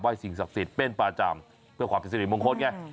ไหว้สิ่งศักดิ์สิทธิ์เป็นประจำเพื่อความจริงมงคตไง